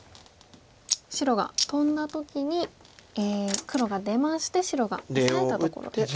白がトンだ時に黒が出まして白がオサえたところです。